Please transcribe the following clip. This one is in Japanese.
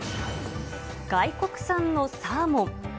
外国産のサーモン。